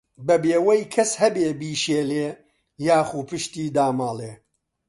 بەبێ وەی کەس هەبێ بیشێلێ، یاخۆ پشتی داماڵێ